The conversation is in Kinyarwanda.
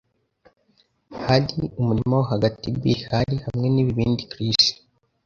Hardy, umurima wo hagati Bill Hall hamwe nibibindi Chris